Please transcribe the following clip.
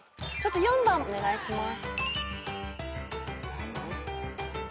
４番お願いします。